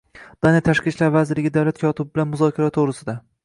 Daniya tashqi ishlar vazirligi davlat kotibi bilan muzokara to‘g‘risida